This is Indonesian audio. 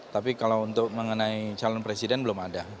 tapi kalau untuk mengenai calon presiden belum ada